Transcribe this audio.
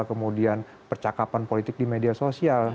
kemudian percakapan politik di media sosial